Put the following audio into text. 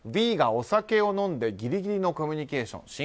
「Ｖがお酒を飲んでギリギリのコミュニケーション